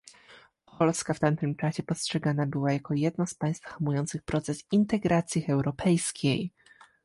Polska w tamtym czasie postrzegana była jako jedno z państw hamujących proces integracji europejskiej